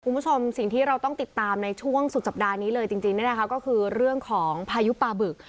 คุณผู้ชมสิ่งที่เราต้องติดตามในช่วงสุดสัปดาห์นี้เลยจริงเนี่ยนะคะก็คือเรื่องของพายุปลาบึก